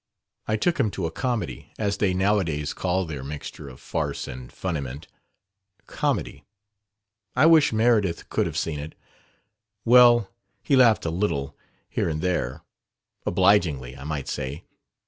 I took him to a 'comedy,' as they nowadays call their mixture of farce and funniment. 'Comedy'! I wish Meredith could have seen it! Well, he laughed a little, here and there, obligingly, I might say.